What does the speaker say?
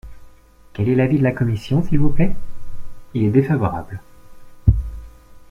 Quel est l’avis de la commission, s’il vous plaît ? Il est défavorable.